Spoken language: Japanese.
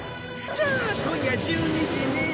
じゃあ今夜１２時に。